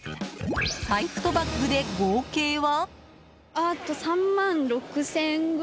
財布とバッグで合計は。